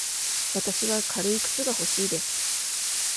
わたしは軽い靴が欲しいです。